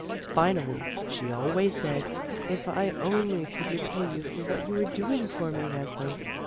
I Finally she always said: "If only I could repay you for what you are doing for me, Resli !"